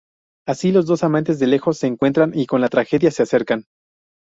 Así, los dos "amantes de lejos" se encuentran, y con la tragedia se acercan.